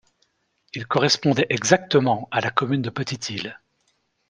Il correspondait exactement à la commune de Petite-Île.